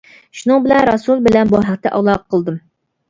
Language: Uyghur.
شۇنىڭ بىلەن رەسۇل بىلەن بۇ ھەقتە ئالاقە قىلدىم.